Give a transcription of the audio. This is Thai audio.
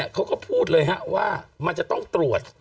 เขาก็พูดเลยว่ามันจะต้องตรวจ